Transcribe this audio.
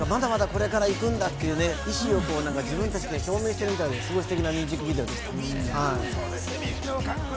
すごい、まだまだこれから行くんだっていう意思を自分たちで表明しているみたいで、すごいステキなミュージックビデオでした。